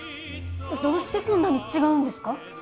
どうしてこんなに違うんですか？